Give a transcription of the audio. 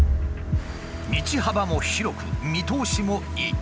道幅も広く見通しもいい。